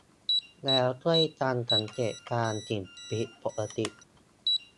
แล้วช่วยกันสังเกตการณ์สิ่งผิดปกติ